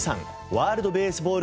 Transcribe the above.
ワールドベースボール